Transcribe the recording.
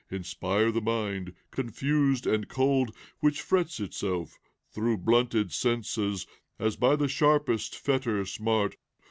Inspire the mind, confused and cold, Which frets itself, through blunted senses, As by the sharpest fetter smart